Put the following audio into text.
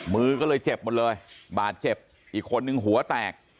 มือก็เลยเจ็บหมดเลยบาดเจ็บอีกคนนึงหัวแตก